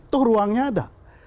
tuh ruangnya ada